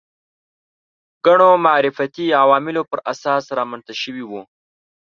ګڼو معرفتي عواملو پر اساس رامنځته شوي وو